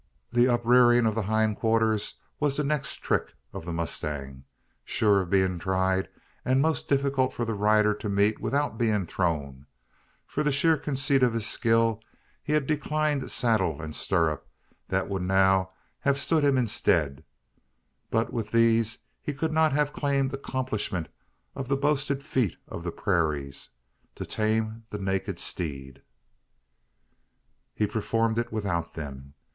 The uprearing of the hind quarters was the next "trick" of the mustang sure of being tried, and most difficult for the rider to meet without being thrown. From sheer conceit in his skill, he had declined saddle and stirrup, that would now have stood him in stead; but with these he could not have claimed accomplishment of the boasted feat of the prairies to tame the naked steed. He performed it without them.